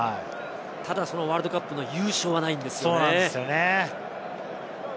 ただそのワールドカップの優勝はないんですよね。